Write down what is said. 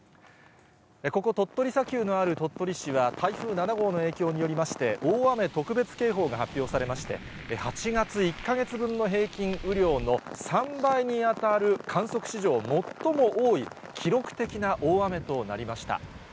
ここ、鳥取砂丘のある鳥取市は、台風７号の影響によりまして、大雨特別警報が発表されまして、８月１か月分の平均雨量の３倍に当たる観測史上最も多い記録的な大雨となりました。